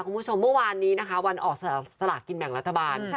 คุณผู้ชมเมื่อวานนี้นะคะวันออกสลากกินแบ่งรัฐบาล